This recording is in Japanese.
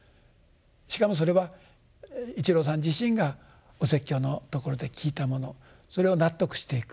しかもそれは一郎さん自身がお説教のところで聞いたものそれを納得していく。